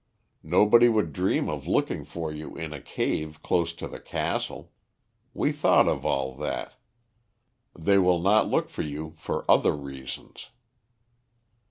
Nobody would dream of looking for you in a cave close to the castle. We thought of all that. They will not look for you for other reasons."